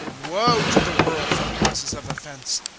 (7)Woe to the world, for causes of offense!